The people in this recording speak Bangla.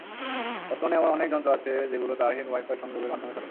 বর্তমানে এমন অনেক যন্ত্র আছে, যেগুলো তারহীন ওয়াই-ফাই সংযোগের মাধ্যমে চলে।